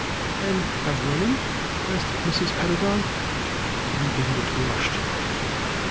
"And have women?" asked Mrs. Pedagog. The Idiot blushed.